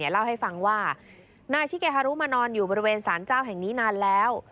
เล่าให้ฟังว่านายชิเกฮารุมานอนอยู่บริเวณสารเจ้าแห่งนี้นานแล้ว